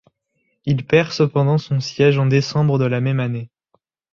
Il perd cependant son siège en décembre de la même année.